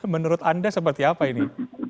menurut anda seperti apa ini